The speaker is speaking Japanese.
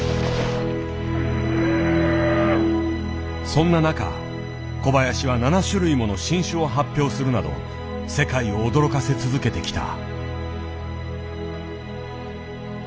そんな中小林は７種類もの新種を発表するなど世界を驚かせ続けてきた。